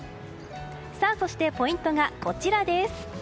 そしてポイントがこちらです。